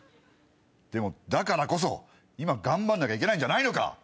でもだからこそ今頑張んなきゃいけないんじゃないのか！